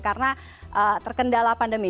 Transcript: karena terkendala pandemi